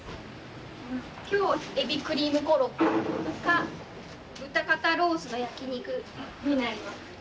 今日はエビクリームコロッケか豚肩ロースの焼き肉になります。